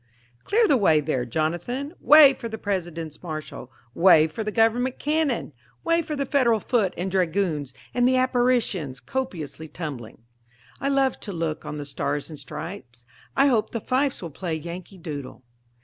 Clear the way there, Jonathan! Way for the President's marshal! Way for the government cannon! Way for the Federal foot and dragoons and the apparitions copiously tumbling. I love to look on the stars and stripes I hope the fifes will play Yankee Doodle.